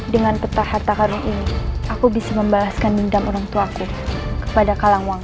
dengan peta harta karun ini aku bisa membalaskan bintang orangtuaku kepada kalangwangsa